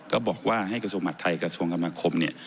ก็บอกว่าให้กระทรวงหัสไทยกระทรวงกรรมคมเนี่ย